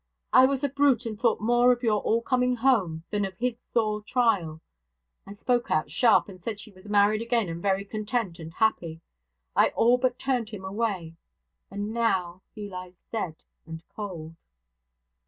I was a brute, and thought more of your all coming home than of his sore trial; I spoke out sharp, and said she was married again, and very content and happy. I all but turned him away: and now he lies dead and cold.'